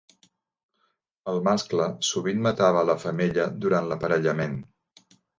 El mascle sovint matava la femella durant l'aparellament.